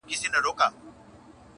چي يې جوړي سوي سوي غلبلې كړې -